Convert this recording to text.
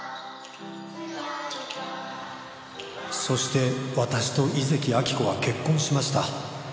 「そして私と井関亜木子は結婚しました」